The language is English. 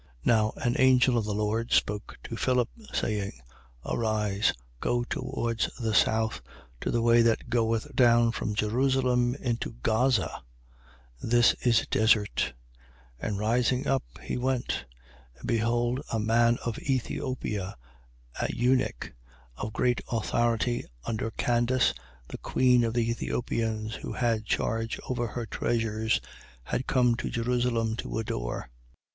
8:26. Now an angel of the Lord spoke to Philip, saying: Arise, go towards the south, to the way that goeth down from Jerusalem into Gaza: this is desert. 8:27. And rising up, he went. And behold, a man of Ethiopia, an eunuch, of great authority under Candace the queen of the Ethiopians, who had charge over all her treasures, had come to Jerusalem to adore. 8:28.